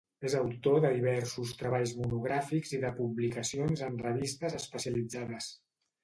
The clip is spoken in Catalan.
És autor de diversos treballs monogràfics i de publicacions en revistes especialitzades.